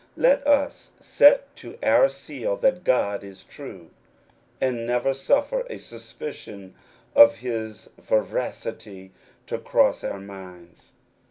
Let us set to our seal that God is true, and never suffer a suspicion of his veracity to cross our minds.